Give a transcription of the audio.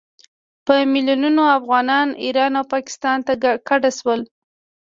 په میلونونو افغانان ایران او پاکستان ته کډه شول.